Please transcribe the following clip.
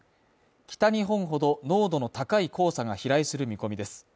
北日本ほど濃度の高い黄砂が飛来する見込みです。